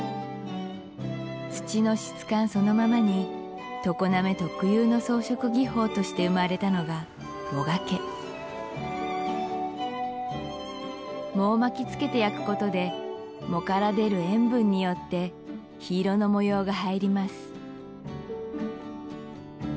土の質感そのままに常滑特有の装飾技法として生まれたのが藻掛け藻を巻きつけて焼くことで藻から出る塩分によって緋色の模様が入ります